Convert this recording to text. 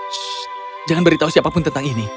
sh jangan beritahu siapapun tentang ini